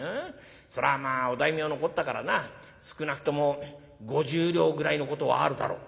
そりゃまあお大名のこったからな少なくとも５０両ぐらいのことはあるだろう」。